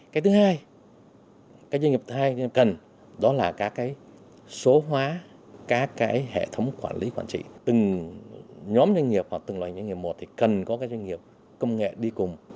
các doanh nghiệp cần cái gì